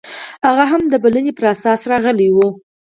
هغه هم د بلنې پر اساس راغلی و.